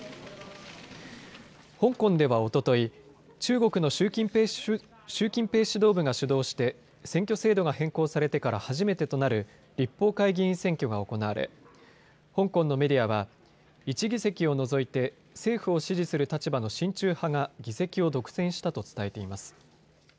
香港ではおととい、中国の習近平指導部が主導して選挙制度が変更されてから初めてとなる立法会議員選挙が行われ香港のメディアは１議席を除いて政府を支持する立場の親中派が議席を独占したと伝えています。